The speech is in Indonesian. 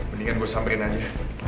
mendingan gue samperin aja